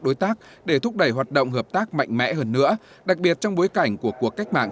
đối tác để thúc đẩy hoạt động hợp tác mạnh mẽ hơn nữa đặc biệt trong bối cảnh của cuộc cách mạng